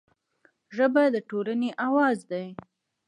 ژبه د ټولنې اواز دی